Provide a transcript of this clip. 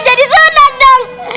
kejadi sunat dong